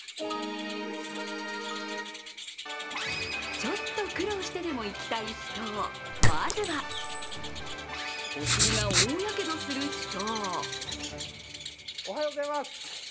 ちょっと苦労してでも行きたい秘湯、まずは、お尻が大やけどする秘湯。